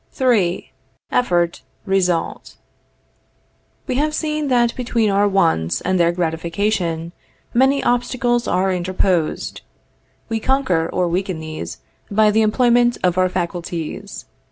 III. EFFORT RESULT. We have seen that between our wants and their gratification many obstacles are interposed. We conquer or weaken these by the employment of our faculties.